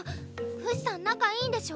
フシさん仲いいんでしょ？